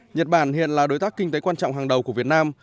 nhật bản hiện là đối tác kinh tế quan trọng hàng đầu của việt nam